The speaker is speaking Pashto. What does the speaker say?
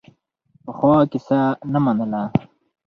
پخلا کیسه نه منله.